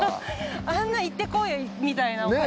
あんな行ってこいみたいな。ねぇ？